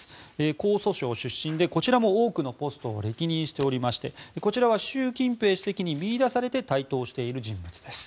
江蘇省出身でこちらも多くのポストを歴任しておりましてこちらは習近平国家主席に見いだされて台頭している人物です。